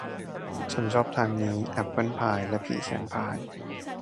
ฉันชอบทางนี้แอบเปิ้ลพายและผีแคนพาย